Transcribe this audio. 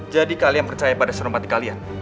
jadi kalian percaya pada senopati kalian